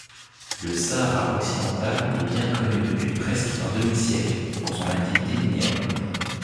Le Sahara occidental est bien connu depuis presque un demi-siècle pour son activité minière.